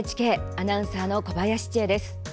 アナウンサーの小林千恵です。